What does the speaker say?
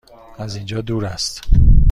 از اینجا دور است؟